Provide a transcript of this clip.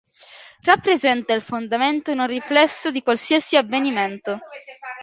Rappresenta il fondamento non riflesso di qualsiasi avvenimento.